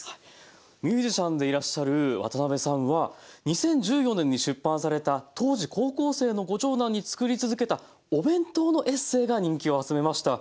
ミュージシャンでいらっしゃる渡辺さんは２０１４年に出版された当時高校生のご長男に作り続けたお弁当のエッセイが人気を集めました。